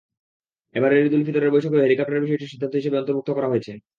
এবারের ঈদুল ফিতরের বৈঠকেও হেলিকপ্টারের বিষয়টি সিদ্ধান্ত হিসেবে অন্তর্ভুক্ত করা হয়েছে।